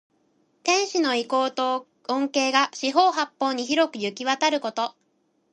天子の威光と恩恵が四方八方に広くゆきわたること。